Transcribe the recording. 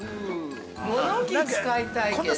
物置に使いたいけど。